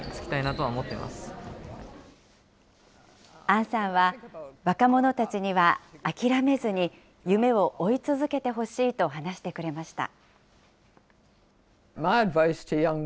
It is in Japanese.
アンさんは、若者たちには諦めずに夢を追い続けてほしいと話してくれました。